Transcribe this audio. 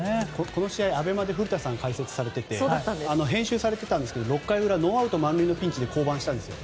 この試合、ＡＢＥＭＡで古田さんが解説されていて編集されていたんですが６回ノーアウト満塁のピンチで降板したんですよ。